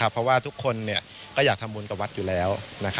เพราะว่าทุกคนก็อยากทำบุญกับวัดอยู่แล้ว